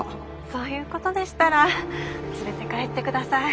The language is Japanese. そういうことでしたら連れて帰って下さい。